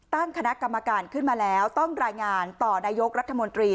ตั้งคณะกรรมการขึ้นมาแล้วต้องรายงานต่อนายกรัฐมนตรี